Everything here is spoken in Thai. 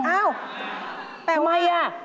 อ้าวทำไมล่ะ